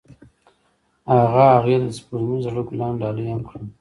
هغه هغې ته د سپوږمیز زړه ګلان ډالۍ هم کړل.